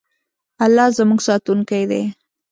الله زموږ ساتونکی دی.